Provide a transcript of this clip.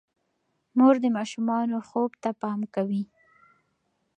مور د ماشومانو خوب ته پام کوي.